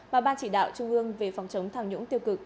mà ban chỉ đạo trung ương về phòng chống thảo nhũng tiêu cực